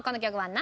何？